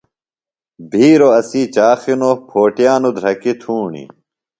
بِھیروۡ اسی چاخ ہِنوۡ، پھو ٹِیانوۡ دھرکیۡ تُھوݨیۡ